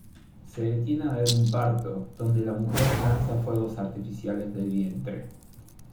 Se detiene a ver un parto, donde la mujer lanza fuegos artificiales del vientre.